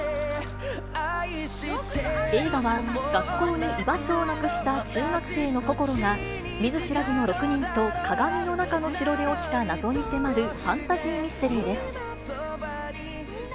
映画は、学校に居場所をなくした中学生のこころが、見ず知らずの６人と鏡の中の城で起きた謎に迫るファンタジーミステリーです。